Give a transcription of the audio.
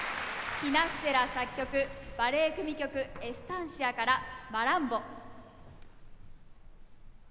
ヒナステラ作曲バレエ組曲「エスタンシア」から「マランボ」。